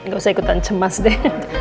gak usah ikutan cemas deh